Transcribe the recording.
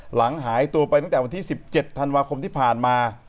หายตัวไปตั้งแต่วันที่๑๗ธันวาคมที่ผ่านมา